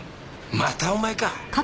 またお前か。